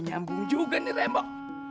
nyambung juga nih remboh